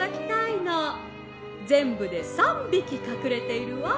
ぜんぶで３びきかくれているわ。